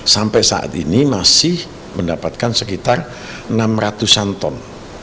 sampai saat ini masih mendapatkan sekitar enam ratus an ton